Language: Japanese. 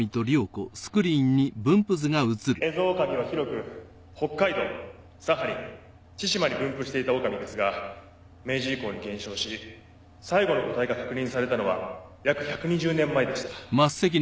エゾオオカミは広く北海道サハリン千島に分布していたオオカミですが明治以降に減少し最後の個体が確認されたのは約１２０年前でした。